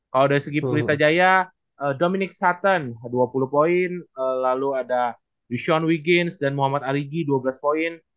kalau dari segi pelita jaya dominic sutton dua puluh poin lalu ada duchan wigens dan muhammad aligi dua belas poin